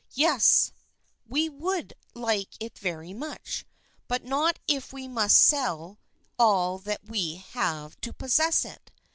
Yes ! we would like it very much ; but not if we must sell all that we have to possess it.